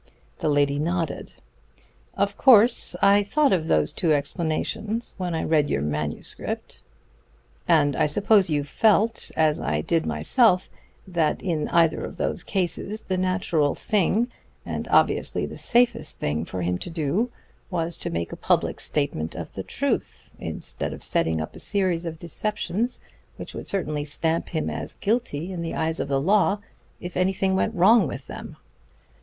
The lady nodded. "Of course I thought of those two explanations when I read your manuscript." "And I suppose you felt, as I did myself, that in either of those cases the natural thing, and obviously the safest thing, for him to do was to make a public statement of the truth, instead of setting up a series of deceptions which would certainly stamp him as guilty in the eyes of the law, if anything went wrong with them."